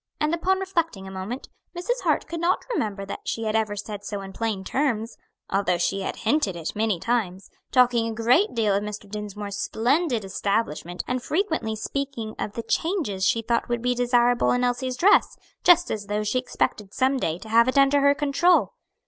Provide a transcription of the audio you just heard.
And upon reflecting a moment, Mrs. Hart could not remember that she had ever said so in plain terms, although she had hinted it many times talking a great deal of Mr. Dinsmore's splendid establishment, and frequently speaking of the changes she thought would be desirable in Elsie's dress, just as though she expected some day to have it under her control.